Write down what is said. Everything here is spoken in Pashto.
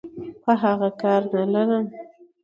په اغه کار نلرم.